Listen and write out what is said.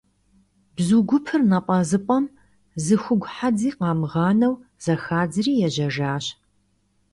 Бзу гупыр напӀэзыпӀэм зы хугу хьэдзи къамыгъанэу зэхадзри ежьэжащ.